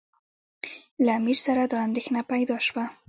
له امیر سره دا اندېښنه پیدا شوه.